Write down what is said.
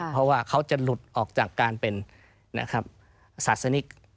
เพราะว่าเขาจะหลุดออกจากการเป็นศาสนิก